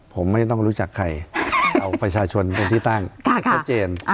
ผมไม่ต้องรู้จักใครเอาประชาชนเป็นที่ตั้งชัดเจน